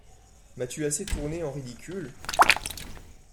M’as-tu assez tournée en ridicule !